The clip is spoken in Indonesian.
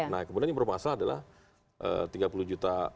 nah kemudian yang bermasalah adalah tiga puluh juta